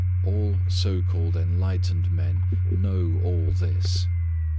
All so called enlightened men know all this.